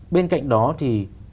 bên cạnh đó thì